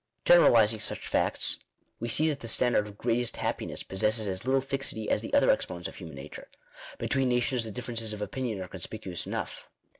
Generalizing such facts, we see that the standard of " greatest happiness " possesses as little fixity as the other exponents of human nature. Between nations the differences of opinion are conspicuous enough.